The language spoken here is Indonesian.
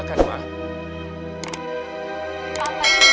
papa dengerin nggak pak